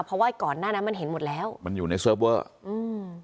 เพราะว่าก่อนหน้านั้นมันเห็นหมดแล้วมันอยู่ในเซิร์ฟเวอร์อืม